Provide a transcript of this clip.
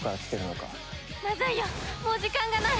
まずいよもう時間がない。